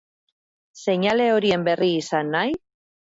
Seinale horien berri izan nahi?